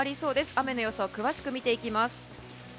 雨の予想を詳しく見ていきます。